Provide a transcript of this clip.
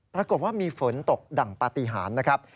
ปรากฏว่ามีฝนตกดั่งปฏิหารนะครับ